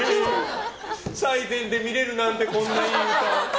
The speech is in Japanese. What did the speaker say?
最前で見れるなんてこんないい歌を。